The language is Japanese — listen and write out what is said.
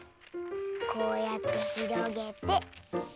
こうやってひろげて。